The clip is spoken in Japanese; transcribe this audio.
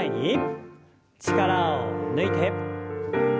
力を抜いて。